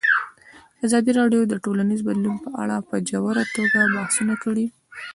ازادي راډیو د ټولنیز بدلون په اړه په ژوره توګه بحثونه کړي.